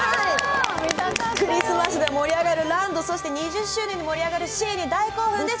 クリスマスで盛り上がるランド、そして２０周年で盛り上がるシーに大興奮です。